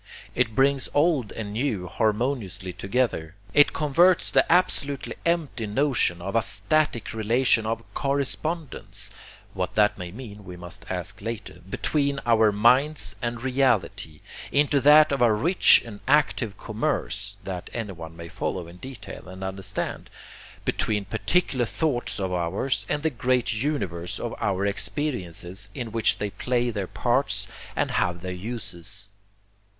It brings old and new harmoniously together. It converts the absolutely empty notion of a static relation of 'correspondence' (what that may mean we must ask later) between our minds and reality, into that of a rich and active commerce (that anyone may follow in detail and understand) between particular thoughts of ours, and the great universe of other experiences in which they play their parts and have their uses.